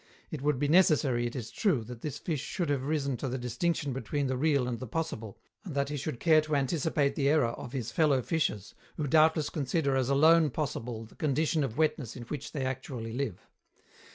It would be necessary, it is true, that this fish should have risen to the distinction between the real and the possible, and that he should care to anticipate the error of his fellow fishes, who doubtless consider as alone possible the condition of wetness in which they actually live.